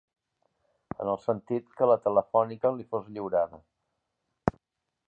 En el sentit que la Telefònica li fos lliurada